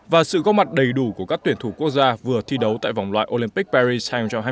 và sự góp mặt đầy đủ của các tuyển thủ quốc gia vừa thi đấu tại vòng loại olympic paris hai nghìn hai mươi